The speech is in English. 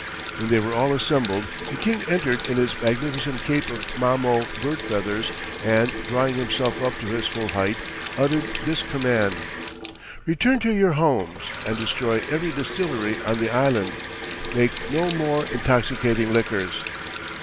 When they were all assembled the King entered in his magnificent cape of mamo bird feathers, and drawing himself up to his full height, uttered this command: "Return to your homes, and destroy every distillery on the island! Make no more intoxicating liquors!"